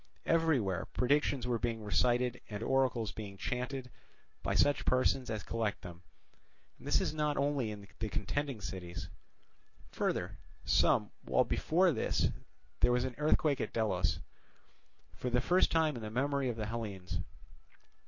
Everywhere predictions were being recited and oracles being chanted by such persons as collect them, and this not only in the contending cities. Further, some while before this, there was an earthquake at Delos, for the first time in the memory of the Hellenes.